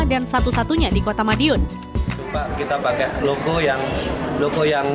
dan satu satunya di dalam perusahaan